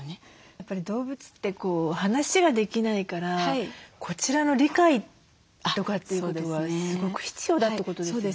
やっぱり動物って話ができないからこちらの理解とかっていうことはすごく必要だってことですよね？